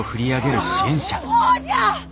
ほうじゃ！